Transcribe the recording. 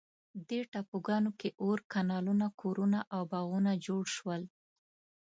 دې ټاپوګانو کې اور، کانالونه، کورونه او باغونه جوړ شول.